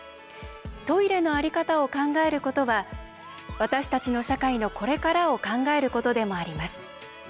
トイレの在り方を考えることは私たちの社会のこれからを考えることでもあります。